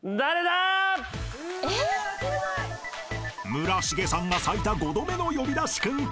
［村重さんが最多５度目の呼び出しクンか？］